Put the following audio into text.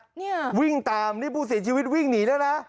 นี่อะวิ่งตามที่เปลี่ยน็อบผู้เสียชีวิตวิ่งหนีแล้วนะ